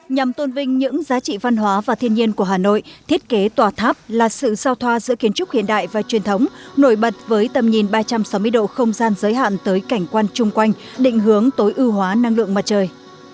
nhằm tôn vinh những giá trị văn hóa và thiên nhiên của hà nội thiết kế tòa tháp là sự sao thoa giữa kiến trúc hiện đại và truyền thống nổi bật với tầm nhìn ba trăm sáu mươi độ không gian giới hạn tới cảnh quan chung quanh định hướng tối ưu hóa năng lượng mặt trời